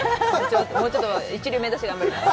もうちょっと一流を目指して頑張ります。